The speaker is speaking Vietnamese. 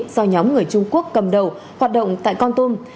do nhóm người trung quốc cầm đầu hoạt động tại con tum